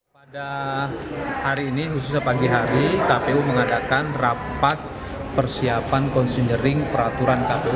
pada hari ini khususnya pagi hari kpu mengadakan rapat persiapan considering peraturan kpu